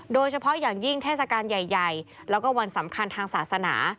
โดยเฉพาะอย่างยิ่งเทศกาลใหญ่แล้วก็วันสำคัญทางศาสนา